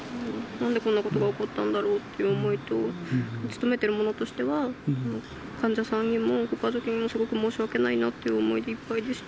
なんでこんなことが起こったんだろうっていう思いと、勤めてる者としては、患者さんにもご家族にもすごく申し訳ないなっていう思いでいっぱいでした。